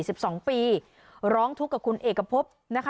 สิบสองปีร้องทุกข์กับคุณเอกพบนะคะ